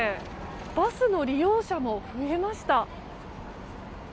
バスの利用者も増えました。